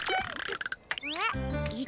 えっ？